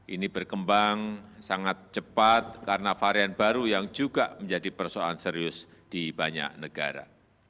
ini berkembang sangat cepat karena varian baru yang juga menjadi persoalan serius di banyak negara